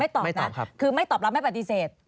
ตอบนะคือไม่ตอบรับไม่ปฏิเสธ